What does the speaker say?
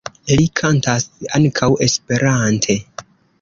Li kantas ankaŭ Esperante.